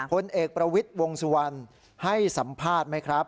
พลเอกประวิทย์วงสุวรรณให้สัมภาษณ์ไหมครับ